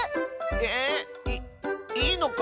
えっ⁉いいいのか？